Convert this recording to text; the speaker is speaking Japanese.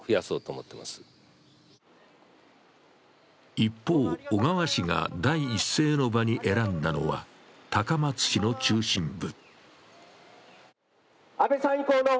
一方、小川氏が第一声の場に選んだのは高松市の中心部。